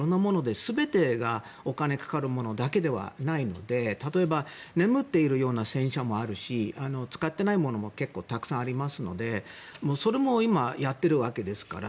全てお金かかるものではないので例えば眠っているような戦車もあるし使っていないものもたくさんありますのでそれも今、やっているわけですから。